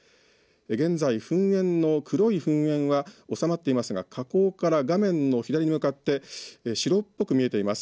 現在、黒い噴煙は収まっていますが火口から画面の左に向かって白っぽく見えています。